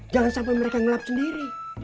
jangan sampai mereka gelap sendiri